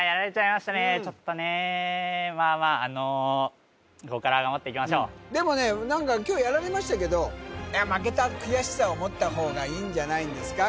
ちょっとねまあまああのでもね何か今日やられましたけど負けた悔しさを持った方がいいんじゃないんですか